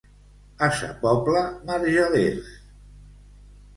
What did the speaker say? A sa Pobla, marjalers.